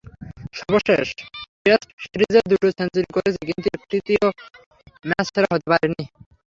সর্বশেষ টেস্ট সিরিজে দুটো সেঞ্চুরি করেছি, কিন্তু একটিতেও ম্যাচসেরা হতে পারিনি।